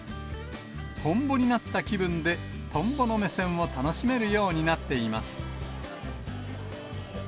トンボになった気分でトンボの目線を楽しめるようになっています。